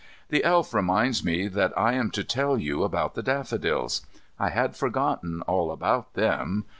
The Elf reminds me that I am to tell you about the daffodils. I had forgotten all about them.